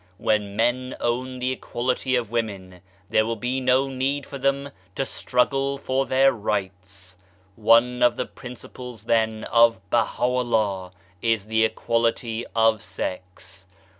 When men own the equality of women there will be no need for them to struggle for their rights ! One of the Principles then of Baha'u'llah is the Equality of Sex.